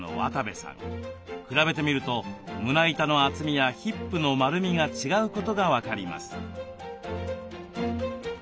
比べてみると胸板の厚みやヒップの丸みが違うことが分かります。